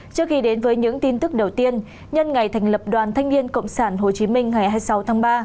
trước khi đến với những tin tức đầu tiên nhân ngày thành lập đoàn thanh niên cộng sản hồ chí minh ngày hai mươi sáu tháng ba